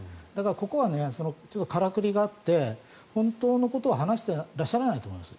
ここはからくりがあって本当のことを話してらっしゃらないと思います。